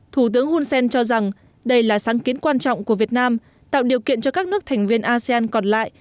thủ tướng hun sen cho rằng đây là sáng kiến quan trọng của việt nam tạo điều kiện cho các nước thành viên asean còn lại